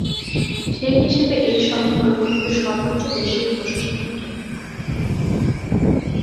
সেই হিসেবে এই শহর হল পৃথিবীর সর্বোচ্চ দেশীয় প্রশাসনিক কেন্দ্র।